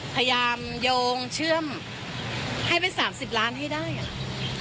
พยายามโยงเชื่อมให้ไป๓๐ล้านให้ได้อ่ะ